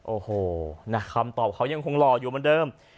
โอ้โหนะคำตอบเขายังคงหล่ออยู่เหมือนเดิม